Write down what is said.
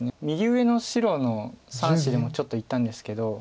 右上の白の３子でもちょっと言ったんですけど。